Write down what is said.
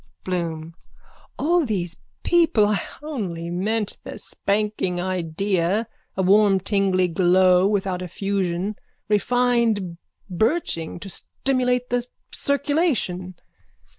BLOOM: All these people. I meant only the spanking idea. A warm tingling glow without effusion. Refined birching to stimulate the circulation.